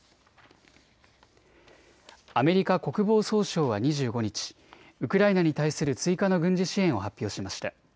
アメリカ国防総省は２５日、ウクライナに対する追加の軍事支援を発表しました。